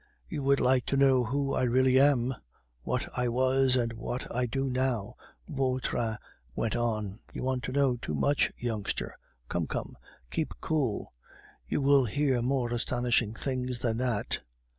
"You would like to know who I really am, what I was, and what I do now," Vautrin went on. "You want to know too much, youngster. Come! come! keep cool! You will hear more astonishing things than that.